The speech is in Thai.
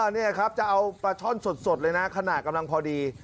นี่ครับจะเอาปลาช่อนสดเลยนะขนาดกำลังพอดี